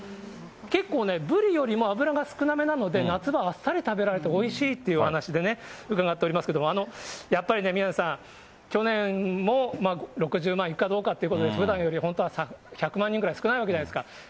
結構ね、ブリよりも脂が少なめなので、夏場はあっさり食べられて、おいしいっていうお話でね、伺っておりますけど、やっぱりね、宮根さん、去年も６０万いくかどうかということで、ふだんより本当は１００万人ぐらい少ないわけじゃないですか。